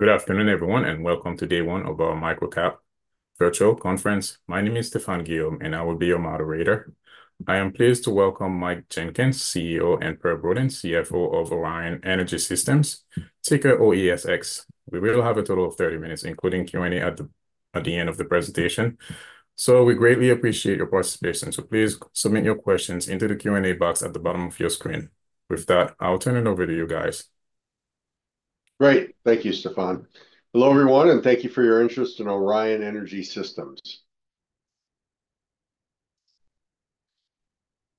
Good afternoon, everyone, and welcome to day one of our Microcap Virtual Conference. My name is Stephane Guillaume, and I will be your moderator. I am pleased to welcome Mike Jenkins, CEO, and Per Brodin, CFO of Orion Energy Systems, ticker OESX. We will have a total of 30 minutes, including Q&A at the end of the presentation. So we greatly appreciate your participation, so please submit your questions into the Q&A box at the bottom of your screen. With that, I'll turn it over to you guys. Great. Thank you, Stephane. Hello, everyone, and thank you for your interest in Orion Energy Systems.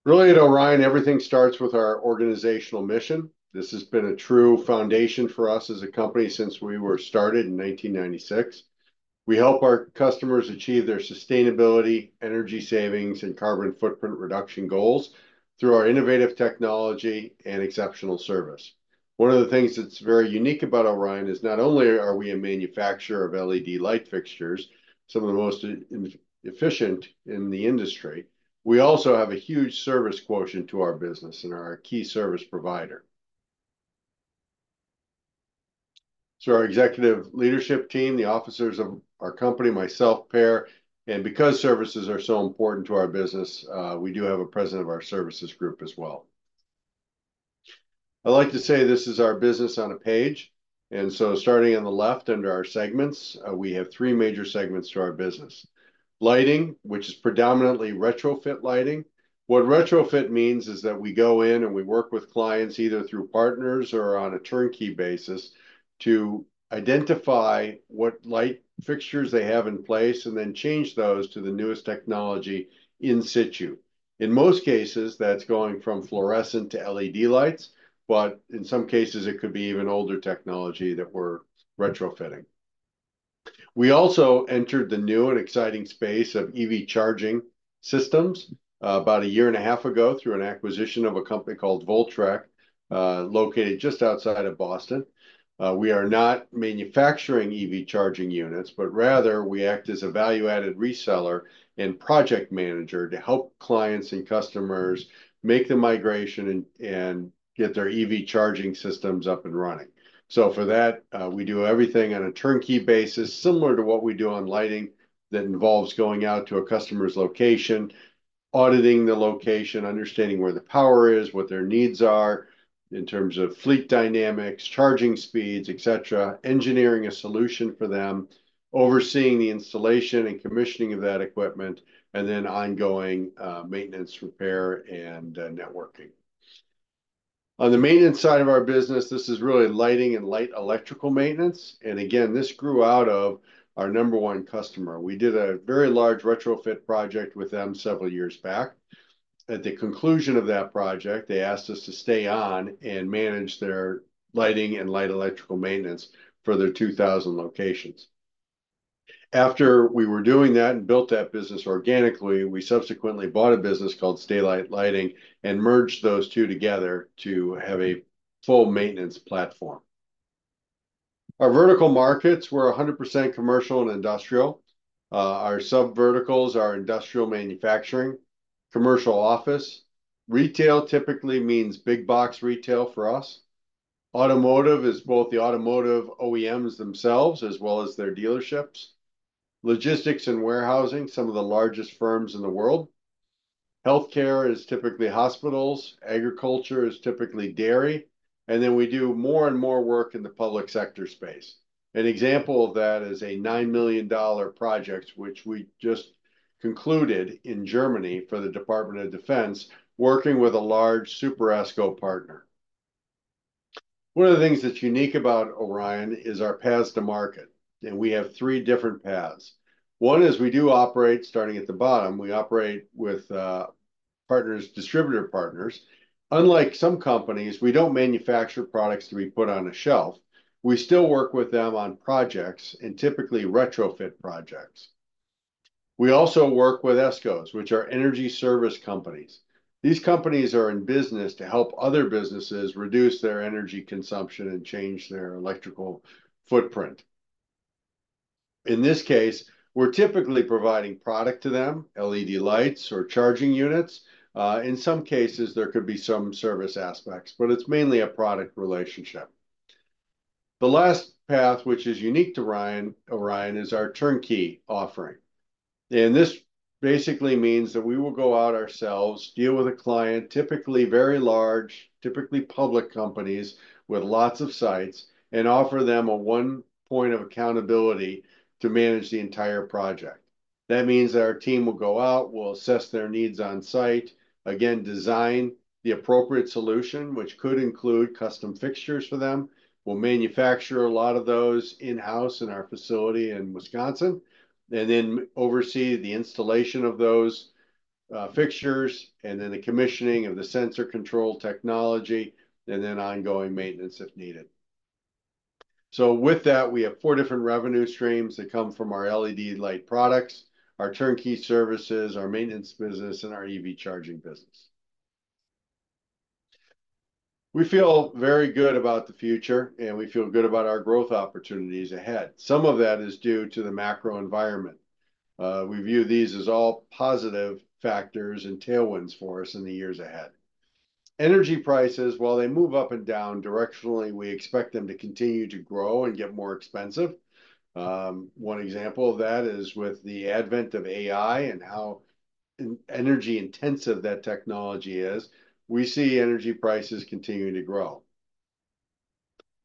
Really, at Orion, everything starts with our organizational mission. This has been a true foundation for us as a company since we were started in 1996. We help our customers achieve their sustainability, energy savings, and carbon footprint reduction goals through our innovative technology and exceptional service. One of the things that's very unique about Orion is not only are we a manufacturer of LED light fixtures, some of the most inefficient in the industry, we also have a huge service quotient to our business and are a key service provider. So our executive leadership team, the officers of our company, myself, Per, and because services are so important to our business, we do have a president of our services group as well. I'd like to say this is our business on a page, and so starting on the left under our segments, we have three major segments to our business: Lighting, which is predominantly retrofit lighting. What retrofit means is that we go in, and we work with clients, either through partners or on a turnkey basis, to identify what light fixtures they have in place, and then change those to the newest technology in situ. In most cases, that's going from fluorescent to LED lights, but in some cases, it could be even older technology that we're retrofitting. We also entered the new and exciting space of EV Charging systems, about a year and a half ago through an acquisition of a company called Voltrek, located just outside of Boston. We are not manufacturing EV Charging units, but rather we act as a value-added reseller and project manager to help clients and customers make the migration and get their EV Charging systems up and running. So for that, we do everything on a turnkey basis, similar to what we do on lighting, that involves going out to a customer's location, auditing the location, understanding where the power is, what their needs are in terms of fleet dynamics, charging speeds, et cetera, engineering a solution for them, overseeing the installation and commissioning of that equipment, and then ongoing maintenance, repair, and networking. On the maintenance side of our business, this is really lighting and electrical maintenance, and again, this grew out of our number one customer. We did a very large retrofit project with them several years back. At the conclusion of that project, they asked us to stay on and manage their lighting and electrical maintenance for their 2,000 locations. After we were doing that and built that business organically, we subsequently bought a business called Stay-Lite Lighting and merged those two together to have a full maintenance platform. Our vertical markets, we're 100% commercial and industrial. Our subverticals are industrial manufacturing, commercial office. Retail typically means big-box retail for us. Automotive is both the automotive OEMs themselves, as well as their dealerships. Logistics and warehousing, some of the largest firms in the world. Healthcare is typically hospitals, agriculture is typically dairy, and then we do more and more work in the public sector space. An example of that is a $9 million project, which we just concluded in Germany for the Department of Defense, working with a large Super ESCO partner. One of the things that's unique about Orion is our paths to market, and we have three different paths. One is we do operate, starting at the bottom, we operate with partners, distributor partners. Unlike some companies, we don't manufacture products to be put on a shelf. We still work with them on projects and typically retrofit projects. We also work with ESCOs, which are energy service companies. These companies are in business to help other businesses reduce their energy consumption and change their electrical footprint. In this case, we're typically providing product to them, LED lights or charging units. In some cases, there could be some service aspects, but it's mainly a product relationship. The last path, which is unique to Orion, is our turnkey offering, and this basically means that we will go out ourselves, deal with a client, typically very large, typically public companies with lots of sites, and offer them a one point of accountability to manage the entire project. That means our team will go out, we'll assess their needs on site, again, design the appropriate solution, which could include custom fixtures for them. We'll manufacture a lot of those in-house in our facility in Wisconsin, and then oversee the installation of those fixtures, and then the commissioning of the sensor control technology, and then ongoing maintenance if needed. So with that, we have four different revenue streams that come from our LED light products, our turnkey services, our maintenance business, and our EV Charging business. We feel very good about the future, and we feel good about our growth opportunities ahead. Some of that is due to the macro environment. We view these as all positive factors and tailwinds for us in the years ahead... Energy prices, while they move up and down directionally, we expect them to continue to grow and get more expensive. One example of that is with the advent of AI and how energy-intensive that technology is, we see energy prices continuing to grow.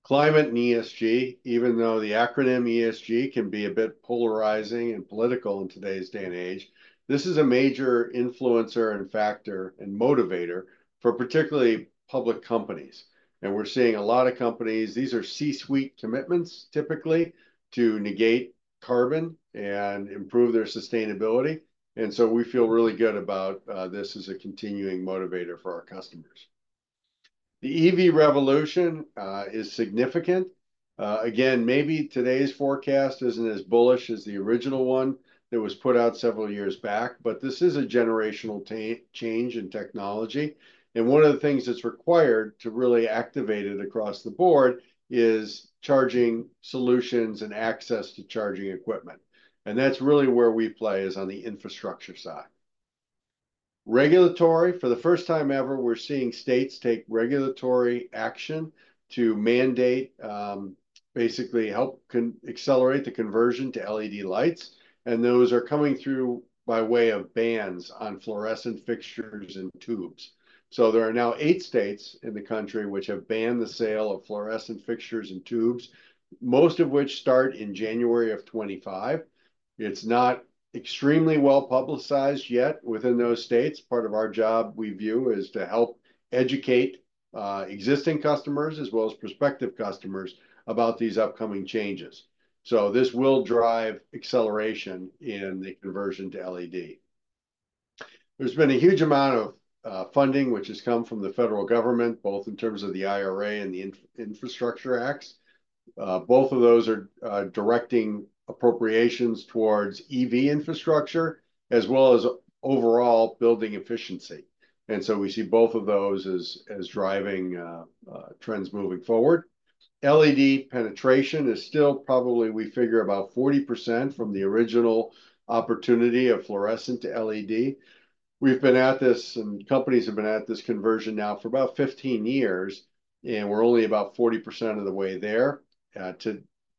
Climate and ESG, even though the acronym ESG can be a bit polarizing and political in today's day and age, this is a major influencer, and factor, and motivator for particularly public companies. And we're seeing a lot of companies... These are C-suite commitments, typically, to negate carbon and improve their sustainability, and so we feel really good about this as a continuing motivator for our customers. The EV revolution is significant. Again, maybe today's forecast isn't as bullish as the original one that was put out several years back, but this is a generational change in technology, and one of the things that's required to really activate it across the board is charging solutions and access to charging equipment, and that's really where we play, is on the infrastructure side. Regulatory, for the first time ever, we're seeing states take regulatory action to mandate basically help accelerate the conversion to LED lights, and those are coming through by way of bans on fluorescent fixtures and tubes. So there are now eight states in the country which have banned the sale of fluorescent fixtures and tubes, most of which start in January of 2025. It's not extremely well-publicized yet within those states. Part of our job, we view, is to help educate, existing customers, as well as prospective customers, about these upcoming changes. So this will drive acceleration in the conversion to LED. There's been a huge amount of, funding which has come from the federal government, both in terms of the IRA and the Infrastructure Acts. Both of those are, directing appropriations towards EV infrastructure, as well as overall building efficiency, and so we see both of those as, as driving, trends moving forward. LED penetration is still probably, we figure, about 40% from the original opportunity of fluorescent to LED. We've been at this, and companies have been at this conversion now for about 15 years, and we're only about 40% of the way there.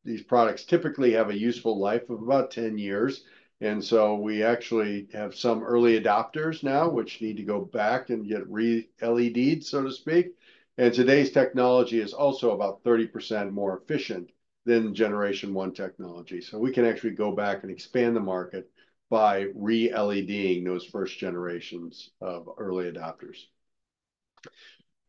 These products typically have a useful life of about 10 years, and so we actually have some early adopters now, which need to go back and get re-LED'd, so to speak. And today's technology is also about 30% more efficient than Generation One technology, so we can actually go back and expand the market by re-LEDing those first generations of early adopters.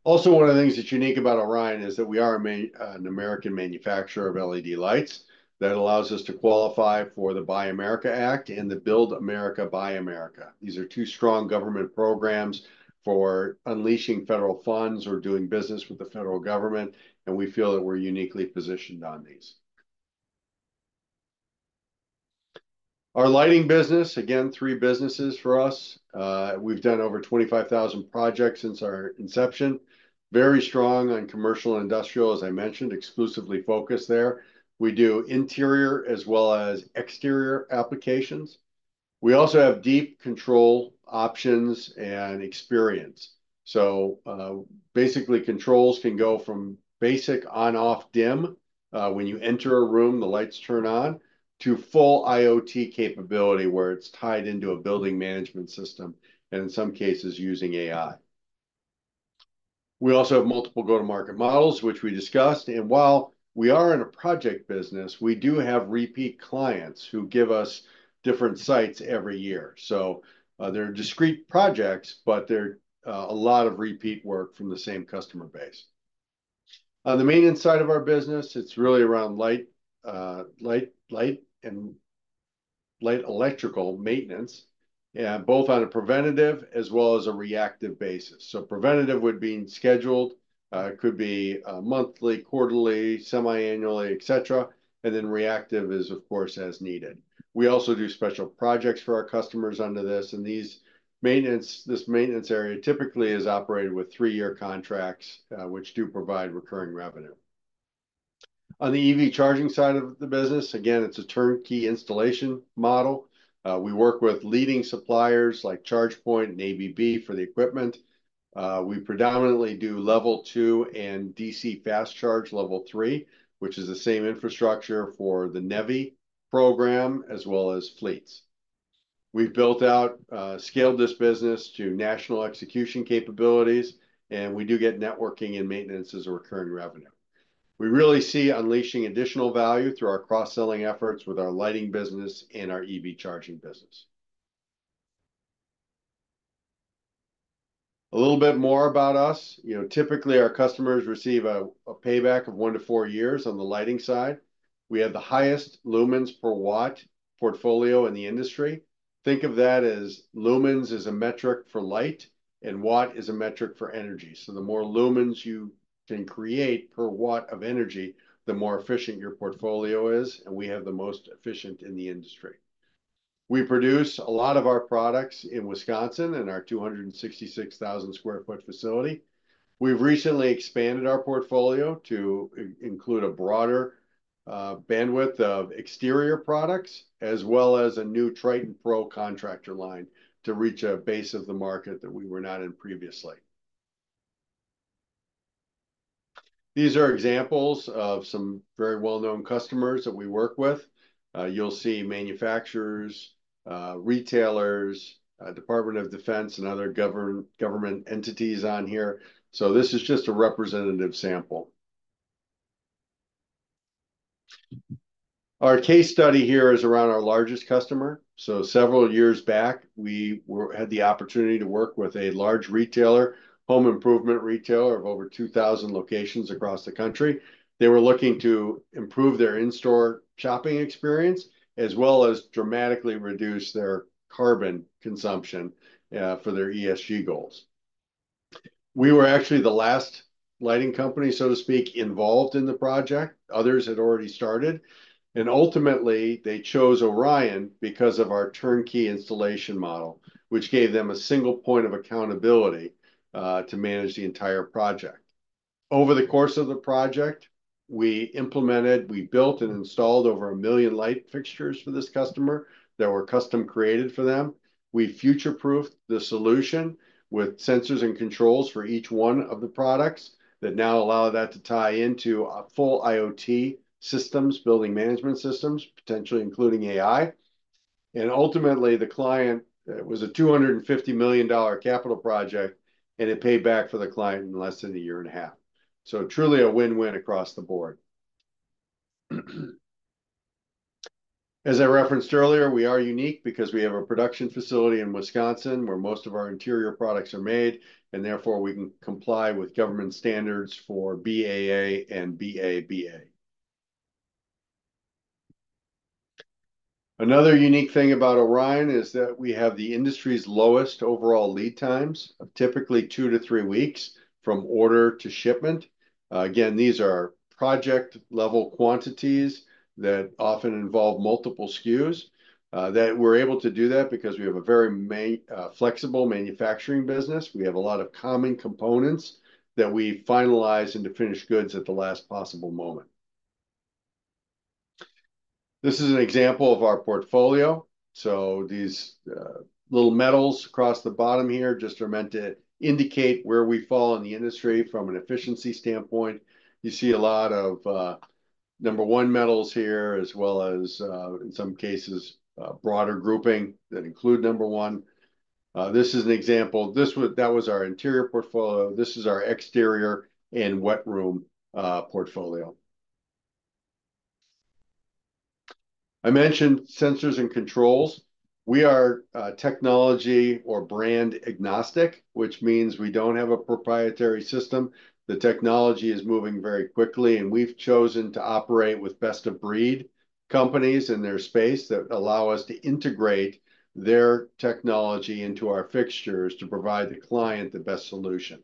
Also, one of the things that's unique about Orion is that we are an American manufacturer of LED lights. That allows us to qualify for the Buy American Act and the Build America, Buy America. These are two strong government programs for unleashing federal funds or doing business with the federal government, and we feel that we're uniquely positioned on these. Our lighting business, again, three businesses for us. We've done over 25,000 projects since our inception. Very strong on commercial and industrial, as I mentioned, exclusively focused there. We do interior as well as exterior applications. We also have deep control options and experience. So, basically, controls can go from basic on/off dim, when you enter a room, the lights turn on, to full IoT capability, where it's tied into a building management system, and in some cases, using AI. We also have multiple go-to-market models, which we discussed, and while we are in a project business, we do have repeat clients who give us different sites every year. So, they're discrete projects, but they're a lot of repeat work from the same customer base. On the maintenance side of our business, it's really around lighting and electrical maintenance, both on a preventative as well as a reactive basis. So preventative would be scheduled, could be monthly, quarterly, semi-annually, et cetera, and then reactive is, of course, as needed. We also do special projects for our customers under this, and this maintenance area typically is operated with 3-year contracts, which do provide recurring revenue. On the EV Charging side of the business, again, it's a turnkey installation model. We work with leading suppliers, like ChargePoint and ABB for the equipment. We predominantly do Level 2 and DC Fast Charge Level 3, which is the same infrastructure for the NEVI program, as well as fleets. We've built out, scaled this business to national execution capabilities, and we do get networking and maintenance as a recurring revenue. We really see unleashing additional value through our cross-selling efforts with our lighting business and our EV Charging business. A little bit more about us. You know, typically, our customers receive a payback of one to four years on the lighting side. We have the highest lumens per watt portfolio in the industry. Think of that as lumens is a metric for light, and watt is a metric for energy, so the more lumens you can create per watt of energy, the more efficient your portfolio is, and we have the most efficient in the industry. We produce a lot of our products in Wisconsin, in our 266,000 sq ft facility. We've recently expanded our portfolio to include a broader-... bandwidth of exterior products, as well as a new Triton Pro contractor line to reach a base of the market that we were not in previously. These are examples of some very well-known customers that we work with. You'll see manufacturers, retailers, Department of Defense, and other government entities on here. So this is just a representative sample. Our case study here is around our largest customer. So several years back, we had the opportunity to work with a large retailer, home improvement retailer of over 2,000 locations across the country. They were looking to improve their in-store shopping experience, as well as dramatically reduce their carbon consumption, for their ESG goals. We were actually the last lighting company, so to speak, involved in the project. Others had already started, and ultimately they chose Orion because of our turnkey installation model, which gave them a single point of accountability to manage the entire project. Over the course of the project, we implemented, we built and installed over 1 million light fixtures for this customer that were custom created for them. We future-proofed the solution with sensors and controls for each one of the products that now allow that to tie into a full IoT systems, building management systems, potentially including AI. And ultimately, the client, it was a $250 million capital project, and it paid back for the client in less than a year and a half. So truly a win-win across the board. As I referenced earlier, we are unique because we have a production facility in Wisconsin, where most of our interior products are made, and therefore, we can comply with government standards for BAA and BABA. Another unique thing about Orion is that we have the industry's lowest overall lead times of typically two to three weeks from order to shipment. Again, these are project-level quantities that often involve multiple SKUs. That we're able to do that because we have a very flexible manufacturing business. We have a lot of common components that we finalize into finished goods at the last possible moment. This is an example of our portfolio. So these little metals across the bottom here just are meant to indicate where we fall in the industry from an efficiency standpoint. You see a lot of number one metals here, as well as in some cases broader grouping that include number one. This is an example. This was that was our interior portfolio. This is our exterior and wet room portfolio. I mentioned sensors and controls. We are technology or brand agnostic, which means we don't have a proprietary system. The technology is moving very quickly, and we've chosen to operate with best-of-breed companies in their space that allow us to integrate their technology into our fixtures to provide the client the best solution.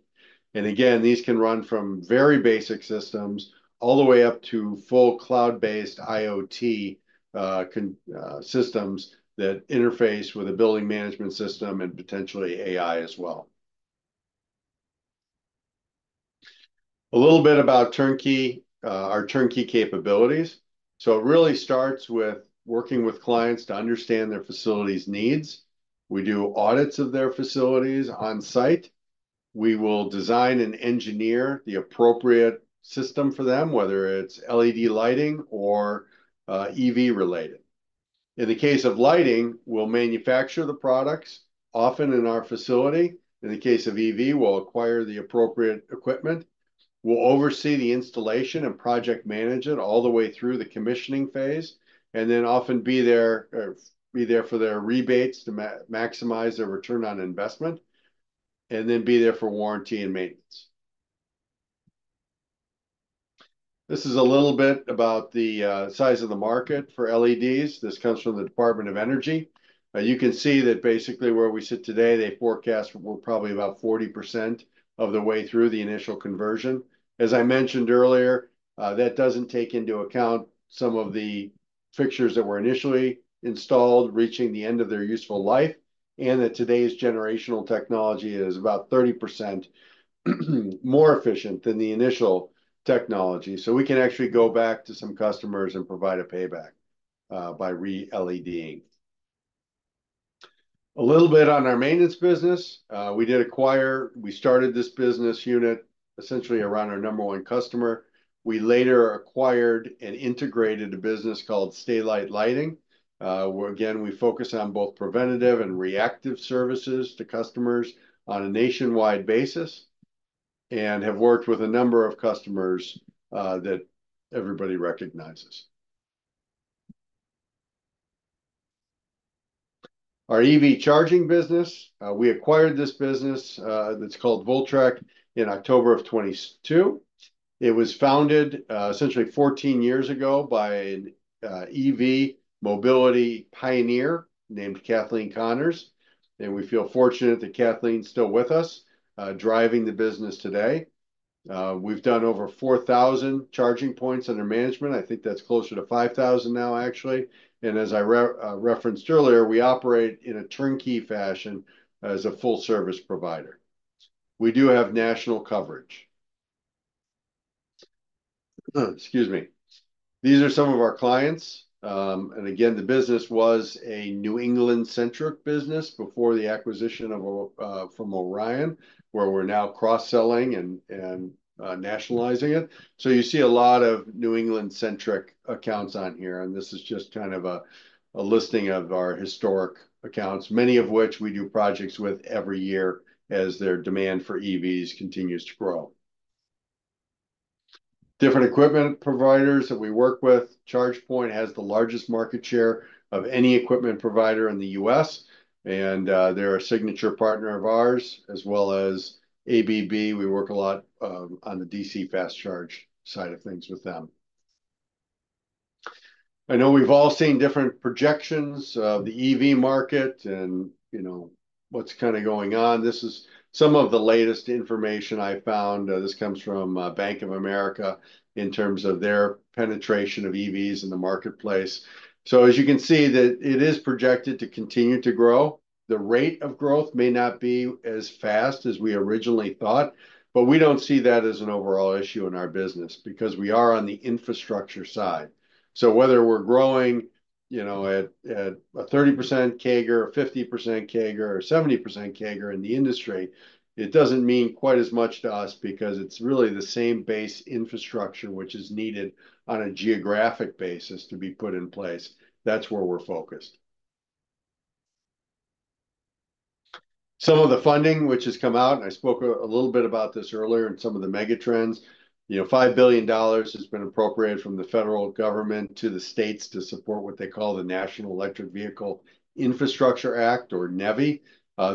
And again, these can run from very basic systems all the way up to full cloud-based IoT control systems that interface with a building management system and potentially AI as well. A little bit about turnkey our turnkey capabilities. So it really starts with working with clients to understand their facility's needs. We do audits of their facilities on site. We will design and engineer the appropriate system for them, whether it's LED lighting or EV related. In the case of lighting, we'll manufacture the products, often in our facility. In the case of EV, we'll acquire the appropriate equipment. We'll oversee the installation and project manage it all the way through the commissioning phase, and then often be there for their rebates to maximize their return on investment, and then be there for warranty and maintenance. This is a little bit about the size of the market for LEDs. This comes from the Department of Energy. You can see that basically where we sit today, they forecast we're probably about 40% of the way through the initial conversion. As I mentioned earlier, that doesn't take into account some of the fixtures that were initially installed, reaching the end of their useful life, and that today's generational technology is about 30% more efficient than the initial technology. So we can actually go back to some customers and provide a payback, by re-LEDing. A little bit on our maintenance business. We started this business unit essentially around our number one customer. We later acquired and integrated a business called Stay-Lite Lighting. Where again, we focus on both preventative and reactive services to customers on a nationwide basis, and have worked with a number of customers, that everybody recognizes. Our EV charging business. We acquired this business, that's called Voltrek, in October 2022. It was founded essentially 14 years ago by an EV mobility pioneer named Kathleen Connors, and we feel fortunate that Kathleen's still with us, driving the business today. We've done over 4,000 charging points under management. I think that's closer to 5,000 now, actually. And as I referenced earlier, we operate in a turnkey fashion as a full service provider. We do have national coverage. Excuse me. These are some of our clients. And again, the business was a New England-centric business before the acquisition by Orion, where we're now cross-selling and nationalizing it. So you see a lot of New England-centric accounts on here, and this is just kind of a listing of our historic accounts, many of which we do projects with every year as their demand for EVs continues to grow. Different equipment providers that we work with. ChargePoint has the largest market share of any equipment provider in the U.S., and they're a signature partner of ours, as well as ABB. We work a lot on the DC Fast Charge side of things with them. I know we've all seen different projections of the EV market and, you know, what's kind of going on. This is some of the latest information I found. This comes from Bank of America in terms of their penetration of EVs in the marketplace. So as you can see, that it is projected to continue to grow. The rate of growth may not be as fast as we originally thought, but we don't see that as an overall issue in our business, because we are on the infrastructure side. So whether we're growing, you know, at a 30% CAGR, or 50% CAGR, or 70% CAGR in the industry, it doesn't mean quite as much to us because it's really the same base infrastructure which is needed on a geographic basis to be put in place. That's where we're focused. Some of the funding which has come out, and I spoke a little bit about this earlier in some of the mega trends. You know, $5 billion has been appropriated from the federal government to the states to support what they call the National Electric Vehicle Infrastructure Act, or NEVI.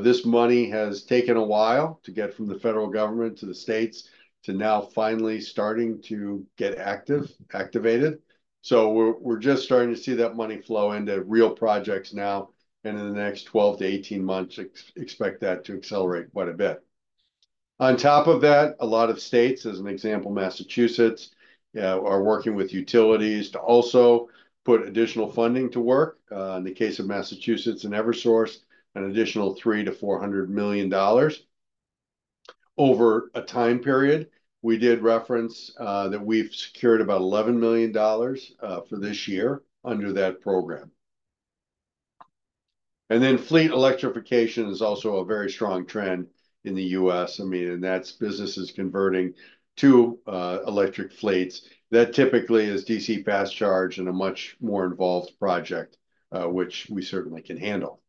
This money has taken a while to get from the federal government to the states, to now finally starting to get active, activated. So we're just starting to see that money flow into real projects now, and in the next 12-18 months, expect that to accelerate quite a bit. On top of that, a lot of states, as an example, Massachusetts, are working with utilities to also put additional funding to work. In the case of Massachusetts and Eversource, an additional $300 million-$400 million over a time period. We did reference that we've secured about $11 million for this year under that program. And then fleet electrification is also a very strong trend in the U.S. I mean, and that's businesses converting to electric fleets. That typically is DC Fast Charge and a much more involved project, which we certainly can handle.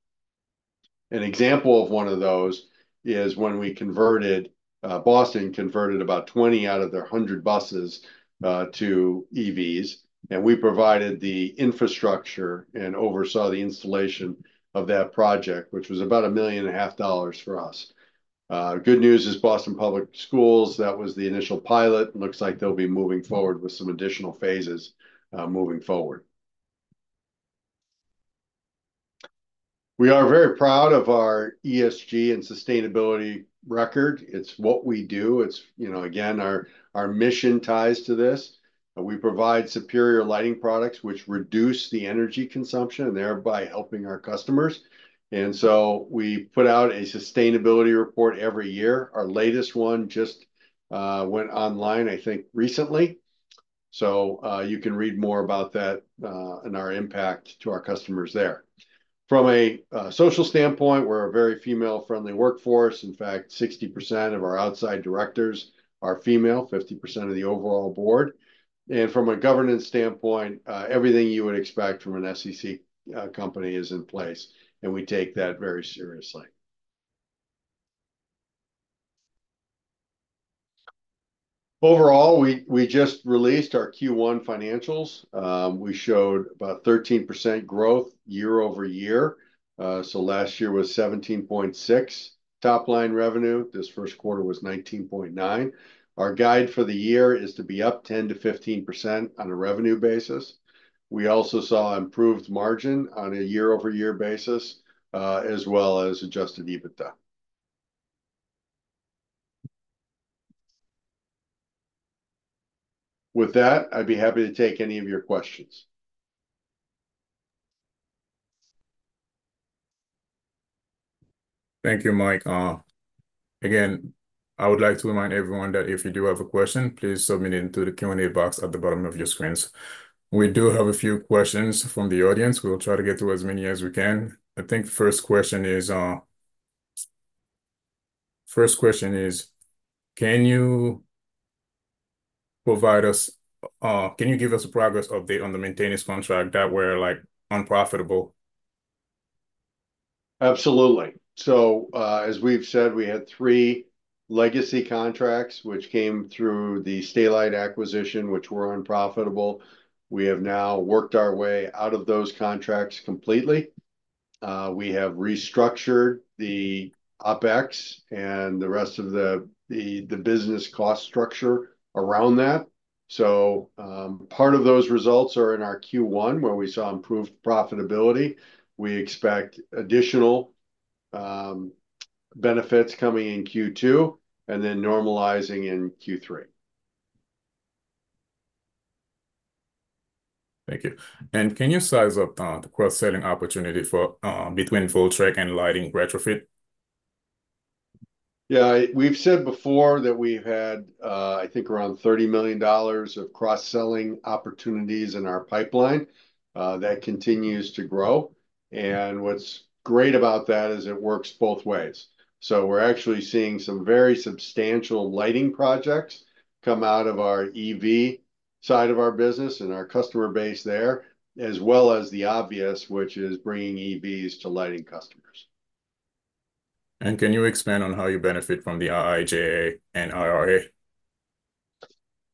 An example of one of those is when we converted... Boston converted about 20 out of their 100 buses to EVs, and we provided the infrastructure and oversaw the installation of that project, which was about $1.5 million for us. Good news is, Boston Public Schools, that was the initial pilot, looks like they'll be moving forward with some additional phases, moving forward. We are very proud of our ESG and sustainability record. It's what we do. It's, you know, again, our mission ties to this. We provide superior lighting products, which reduce the energy consumption, and thereby helping our customers. And so we put out a sustainability report every year. Our latest one just went online, I think, recently. So, you can read more about that, and our impact to our customers there. From a social standpoint, we're a very female-friendly workforce. In fact, 60% of our outside directors are female, 50% of the overall board. From a governance standpoint, everything you would expect from an SEC company is in place, and we take that very seriously. Overall, we just released our Q1 financials. We showed about 13% growth year-over-year. Last year was 17.6 top-line revenue. This first quarter was 19.9. Our guide for the year is to be up 10%-15% on a revenue basis. We also saw improved margin on a year-over-year basis, as well as adjusted EBITDA. With that, I'd be happy to take any of your questions. Thank you, Mike. Again, I would like to remind everyone that if you do have a question, please submit it into the Q&A box at the bottom of your screens. We do have a few questions from the audience. We'll try to get through as many as we can. I think first question is: "Can you provide us, can you give us a progress update on the maintenance contract that were, like, unprofitable? Absolutely. So, as we've said, we had three legacy contracts, which came through the Stay-Lite acquisition, which were unprofitable. We have now worked our way out of those contracts completely. We have restructured the OpEx and the rest of the business cost structure around that. So, part of those results are in our Q1, where we saw improved profitability. We expect additional benefits coming in Q2, and then normalizing in Q3. ... Thank you. And can you size up the cross-selling opportunity for between Voltrek and lighting retrofit? Yeah, we've said before that we've had, I think around $30 million of cross-selling opportunities in our pipeline. That continues to grow, and what's great about that is it works both ways. So we're actually seeing some very substantial lighting projects come out of our EV side of our business and our customer base there, as well as the obvious, which is bringing EVs to lighting customers. Can you expand on how you benefit from the IIJA and IRA?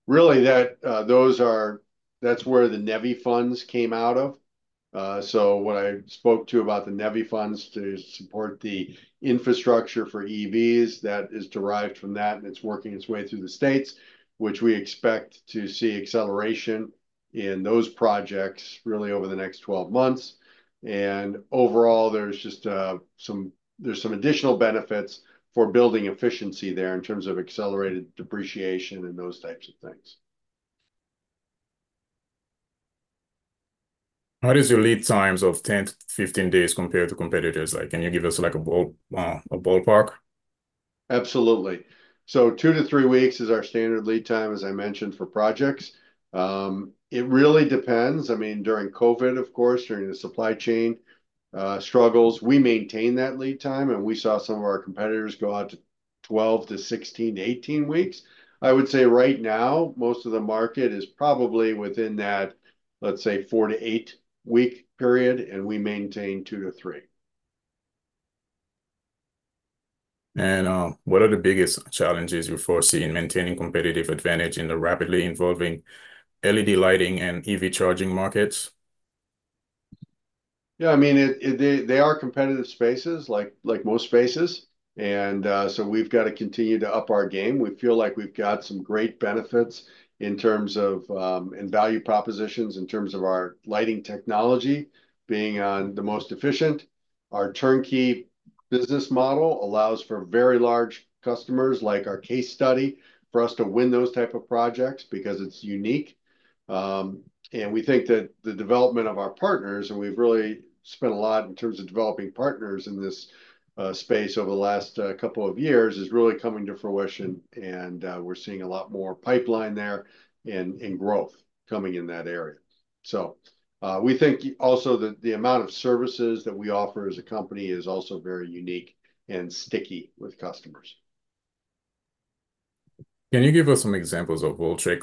Really, those are-- That's where the NEVI funds came out of. So what I spoke to about the NEVI funds to support the infrastructure for EVs, that is derived from that, and it's working its way through the states, which we expect to see acceleration in those projects really over the next 12 months. And overall, there's just, some, there's some additional benefits for building efficiency there in terms of accelerated depreciation and those types of things. How does your lead times of 10-15 days compare to competitors? Like, can you give us, like, a ballpark? Absolutely. So 2-3 weeks is our standard lead time, as I mentioned, for projects. It really depends. I mean, during COVID, of course, during the supply chain struggles, we maintained that lead time, and we saw some of our competitors go out to 12 to 16 to 18 weeks. I would say right now, most of the market is probably within that, let's say, four to eight week period, and we maintain two to three. What are the biggest challenges you foresee in maintaining competitive advantage in the rapidly evolving LED lighting and EV charging markets? Yeah, I mean, they are competitive spaces, like most spaces, and so we've got to continue to up our game. We feel like we've got some great benefits in terms of and value propositions in terms of our lighting technology being the most efficient. Our turnkey business model allows for very large customers, like our case study, for us to win those type of projects because it's unique. And we think that the development of our partners, and we've really spent a lot in terms of developing partners in this space over the last couple of years, is really coming to fruition, and we're seeing a lot more pipeline there and growth coming in that area. So, we think also that the amount of services that we offer as a company is also very unique and sticky with customers. Can you give us some examples of Voltrek,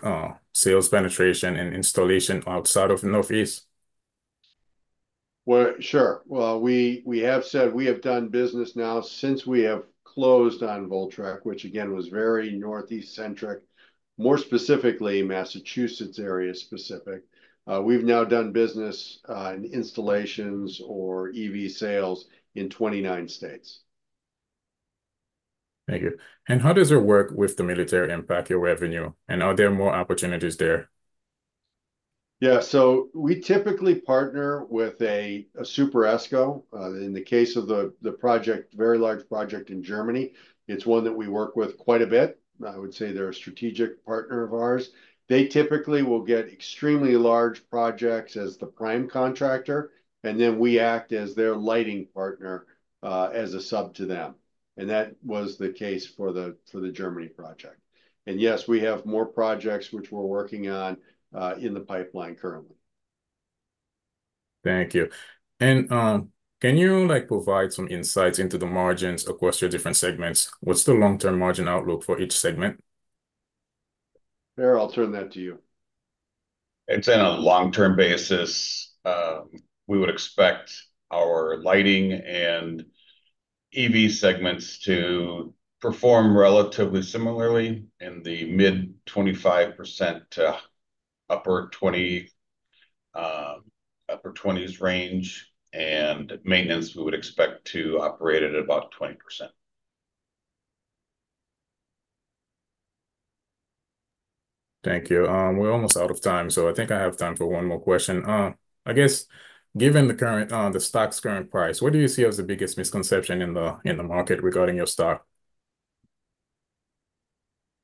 sales penetration and installation outside of Northeast? Well, sure. Well, we have said we have done business now since we have closed on Voltrek, which again, was very Northeast-centric, more specifically Massachusetts area specific. We've now done business in installations or EV sales in 29 states. Thank you. How does your work with the military impact your revenue? Are there more opportunities there? Yeah, so we typically partner with a Super ESCO. In the case of the project, very large project in Germany, it's one that we work with quite a bit. I would say they're a strategic partner of ours. They typically will get extremely large projects as the prime contractor, and then we act as their lighting partner, as a sub to them, and that was the case for the Germany project. Yes, we have more projects which we're working on, in the pipeline currently. Thank you. Can you, like, provide some insights into the margins across your different segments? What's the long-term margin outlook for each segment? Per, I'll turn that to you. It's on a long-term basis. We would expect our lighting and EV segments to perform relatively similarly in the mid-25% to upper 20s range, and maintenance, we would expect to operate at about 20%. Thank you. We're almost out of time, so I think I have time for one more question. I guess, given the current, the stock's current price, what do you see as the biggest misconception in the market regarding your stock?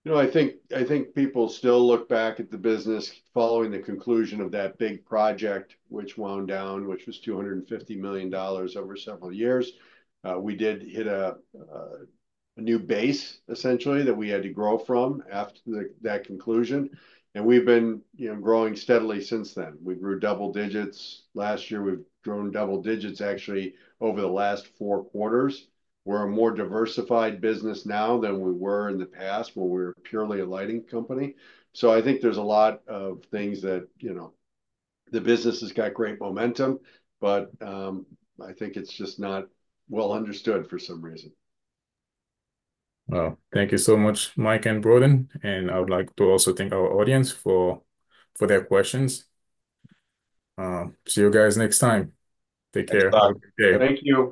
You know, I think, I think people still look back at the business following the conclusion of that big project, which wound down, which was $250 million over several years. We did hit a new base, essentially, that we had to grow from after that conclusion, and we've been, you know, growing steadily since then. We grew double digits last year. We've grown double digits, actually, over the last four quarters. We're a more diversified business now than we were in the past, where we were purely a lighting company. So I think there's a lot of things that, you know... The business has got great momentum, but I think it's just not well understood for some reason. Well, thank you so much, Mike and Brodin, and I would like to also thank our audience for their questions. See you guys next time. Take care. Bye. Have a good day. Thank you.